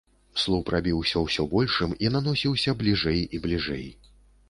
Слуп рабіўся ўсё большым і наносіўся бліжэй і бліжэй.